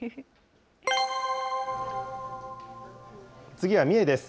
次は三重です。